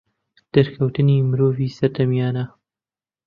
دەرکەوتنی مرۆڤی سەردەمیانە